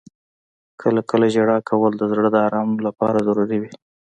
• کله کله ژړا کول د زړه د آرام لپاره ضروري وي.